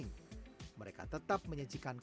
nah itu juga satu tantangan besar sekali